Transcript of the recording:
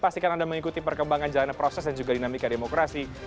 pastikan anda mengikuti perkembangan jalanan proses dan juga dinamika demokrasi